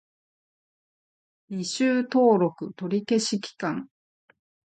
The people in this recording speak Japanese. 履修登録取り消し期間